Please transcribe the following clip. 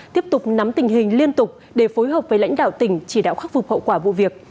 tiếp tục nắm tình hình liên tục để phối hợp với lãnh đạo tỉnh chỉ đạo khắc phục hậu quả vụ việc